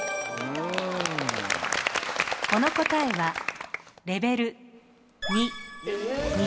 この答えはレベル２。